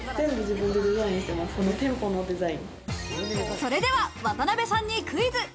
それでは渡邊さんにクイズ。